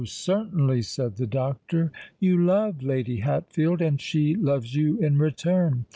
certainly," said the doctor. "You love Lady Hatfield—and she loves you in return.